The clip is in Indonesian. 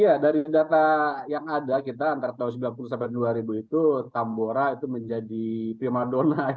iya dari data yang ada kita antara tahun sembilan puluh sampai dua ribu itu tambora itu menjadi primadona